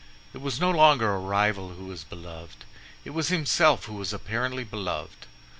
It was no longer a rival who was beloved; it was himself who was apparently beloved.